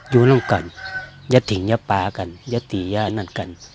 อยู่นั่งกันยะถิ่งยะป่ากันยะตียะอันนั้นกัน